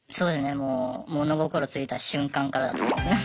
もう物心ついた瞬間からだと思いますね。